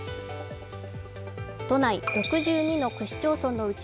都内６２の区市町村のうち